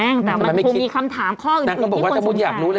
แต่มันคงมีคำถามข้ออื่นที่ควรสินค้านางก็บอกว่าถ้าพูดอยากรู้เลย